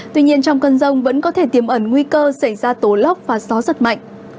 tuy nhiên trong cơn rông vẫn có thể tiêm ẩn nguy cơ xảy ra tố lóc và gió rất mạnh